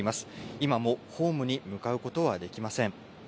今もホームに向かうことはできません。